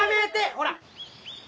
ほら！